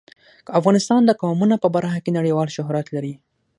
افغانستان د قومونه په برخه کې نړیوال شهرت لري.